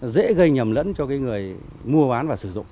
dễ gây nhầm lẫn cho cái người mua bán và sử dụng